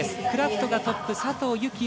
クラフトがトップ佐藤幸